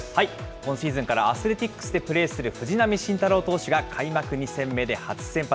今シーズンからアスレティックスでプレーする藤浪晋太郎投手が開幕２戦目で初先発。